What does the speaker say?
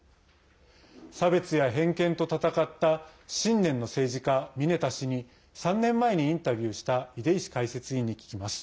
差別や偏見と闘った信念の政治家ミネタ氏に３年前にインタビューした出石解説委員に聞きます。